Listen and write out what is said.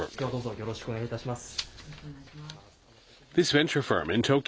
よろしくお願いします。